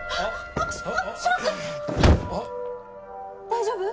大丈夫？